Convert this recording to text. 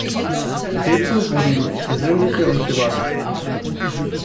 Hierzu wurden persönliche und private Gründe genannt.